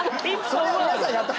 それは皆さんやった。